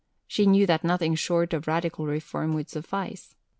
She knew that nothing short of radical reform would suffice.